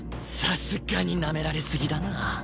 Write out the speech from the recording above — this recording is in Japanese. さすがになめられすぎだな。